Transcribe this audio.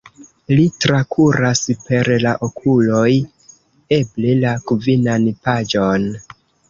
Li trakuras per la okuloj eble la kvinan paĝon.